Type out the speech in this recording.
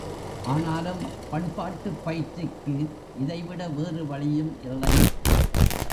ஆனாலும் பண்பாட்டுப் பயிற்சிக்கு இதைவிட வேறு வழியும் இல்லை.